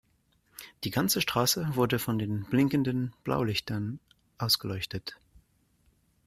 Die ganze Straße wurde von den blinkenden Blaulichtern ausgeleuchtet.